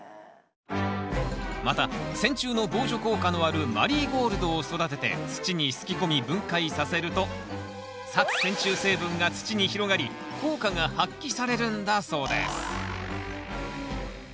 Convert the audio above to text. またセンチュウの防除効果のあるマリーゴールドを育てて土にすき込み分解させると殺センチュウ成分が土に広がり効果が発揮されるんだそうです